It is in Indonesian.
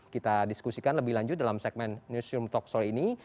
kita diskusikan lebih lanjut dalam segmen newsroom talk sore ini